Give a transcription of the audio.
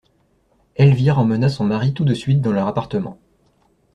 Elvire emmena son mari tout de suite dans leur appartement.